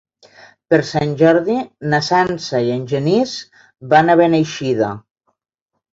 Per Sant Jordi na Sança i en Genís van a Beneixida.